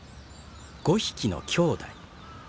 ５匹のきょうだい。